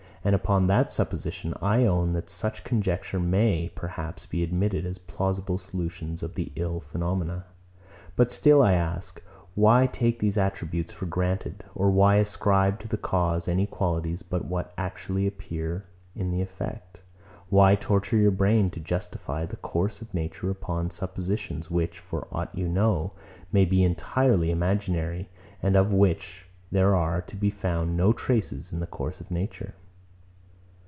And upon that supposition, I own that such conjectures may, perhaps, be admitted as plausible solutions of the ill phenomena. But still I ask; Why take these attributes for granted, or why ascribe to the cause any qualities but what actually appear in the effect? Why torture your brain to justify the course of nature upon suppositions, which, for aught you know, may be entirely imaginary, and of which there are to be found no traces in the course of nature?